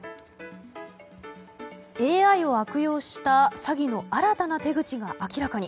ＡＩを悪用した詐欺の新たな手口が明らかに。